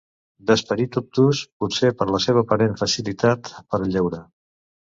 D'esperit obtús, potser per la seva aparent facilitat per al lleure.